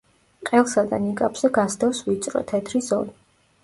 ყელსა და ნიკაპზე გასდევს ვიწრო, თეთრი ზოლი.